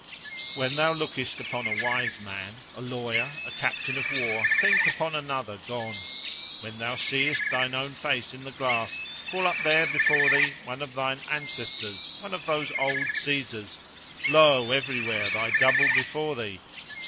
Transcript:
"When thou lookest upon a wise man, a lawyer, a captain of war, think upon another gone. When thou seest thine own face in the glass, call up there before thee one of thine ancestors—one of those old Caesars. Lo! everywhere, thy double before thee!